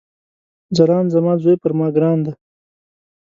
ځلاند زما ځوي پر ما ګران دی